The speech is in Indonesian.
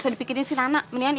selamat tinggal penderitaan